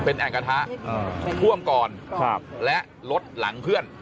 เป็นแอ่งกระทะท่วมก่อนและรถหลังเพื่อน